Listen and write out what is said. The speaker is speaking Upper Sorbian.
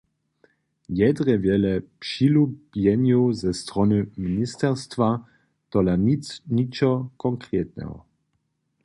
Je drje wjele přilubjenjow ze stron ministerstwa, tola ničo konkretne.